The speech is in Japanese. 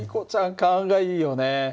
勘がいいよね。